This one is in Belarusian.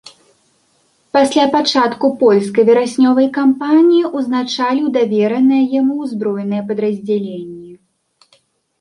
Пасля пачатку польскай вераснёвай кампаніі узначаліў давераныя яму ўзброеныя падраздзяленні.